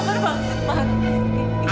indira kenapa kamu tega